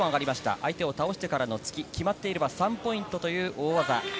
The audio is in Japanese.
相手を倒してからの突き、決まっていれば３ポイントという大技。